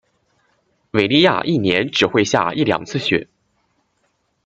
韦里亚一年只会下一两次雪。